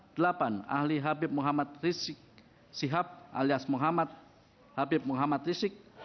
delapan ahli habib muhammad rizik sihab alias muhammad habib muhammad rizik